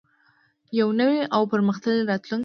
یو نوی او پرمختللی راتلونکی.